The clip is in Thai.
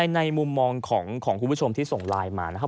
ในมุมมองของคุณผู้ชมที่ส่งไลน์มานะครับ